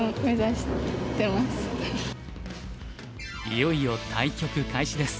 いよいよ対局開始です。